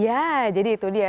ya jadi itu dia